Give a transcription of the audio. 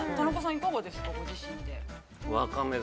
いかがですか、ご自身が。